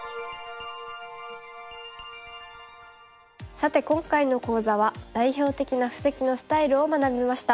さて今回の講座は代表的な布石のスタイルを学びました。